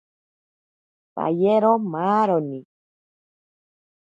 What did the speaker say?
Payero maaroni.